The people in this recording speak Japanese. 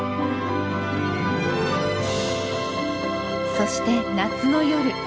そして夏の夜。